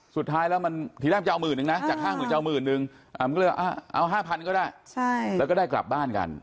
สุดท้ายแล้วมันหรือมอย่างเจ้าเมื่อนึงนะจาก๕๐๐๐บาทเจ้ามื่อนนนึง